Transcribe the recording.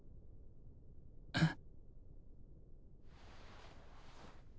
えっ？